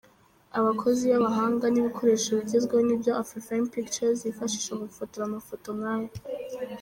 Abakozi b'abahanga n'ibikoresho bigezweho nibyo Afrifame Pictures yifashisha mu gufotora amafoto nkaya.